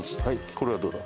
これはどうだ？